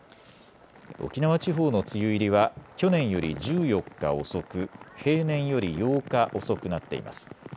沖縄地方の梅雨入りは去年より１４日遅く、平年より８日遅くなっています。